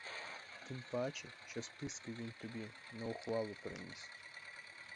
Тим паче, що списки він тобі на ухвалу приніс.